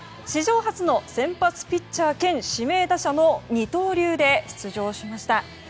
史上初の先発ピッチャー兼指名打者の二刀流で出場しました。